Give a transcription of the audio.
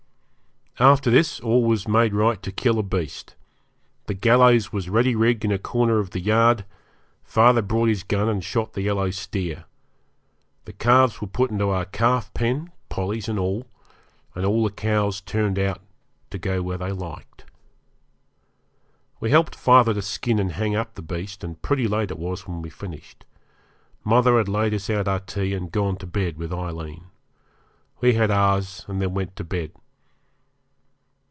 After this all was made right to kill a beast. The gallows was ready rigged in a corner of the yard; father brought his gun and shot the yellow steer. The calves were put into our calf pen Polly's and all and all the cows turned out to go where they liked. We helped father to skin and hang up the beast, and pretty late it was when we finished. Mother had laid us out our tea and gone to bed with Aileen. We had ours and then went to bed.